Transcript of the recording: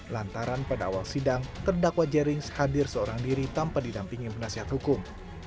lantaran pada awal sidang terdakwa jerings hadir seorang diri tanpa didampingi penasihat hukum